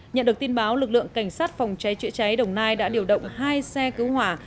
nhận được tin báo lực lượng cảnh sát phòng cháy chữa cháy đồng nai đã điều động hai xe cứu hỏa